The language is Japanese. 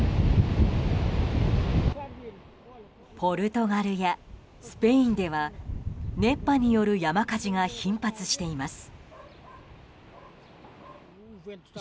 ポルトガルやスペインでは熱波による山火事が頻発しています。